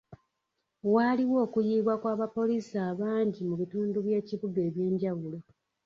Waaliwo okuyiibwa kw'abapoliisi abangi mu bitundu by'ekibuga eby'enjawulo.